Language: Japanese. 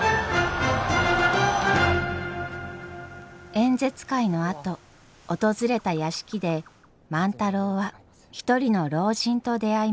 演説会のあと訪れた屋敷で万太郎は一人の老人と出会います。